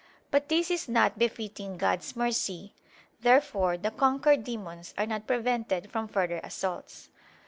But this is not befitting God's mercy. Therefore the conquered demons are not prevented from further assaults.